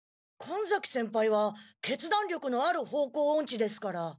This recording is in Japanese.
神崎先輩は決断力のある方向音痴ですから。